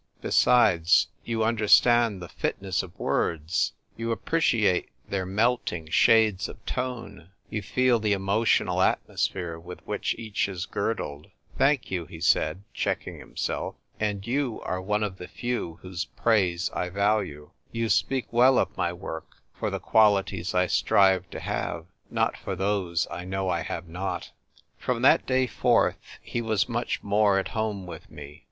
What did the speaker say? Besides, you understand the fitness of words ; you appreciate their melt ing shades of tcne ; you feel the emotional atmosphere with which each is girdled." " Thank you, " he said, checking himself. " Andjj'c?» are o.ie of the few whose praise I value. You speak well of my work for the qualities I strive to have, not for those I know I have not." From that day forth he was much more at home with me.